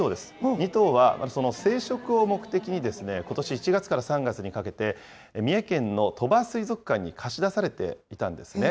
２頭は生殖を目的に、ことし１月から３月にかけて、三重県の鳥羽水族館に貸し出されていたんですね。